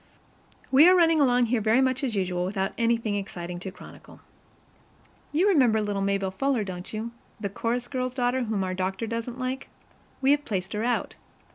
We are running along here very much as usual without anything exciting to chronicle. You remember little Maybelle Fuller, don't you the chorus girl's daughter whom our doctor doesn't like? We have placed her out.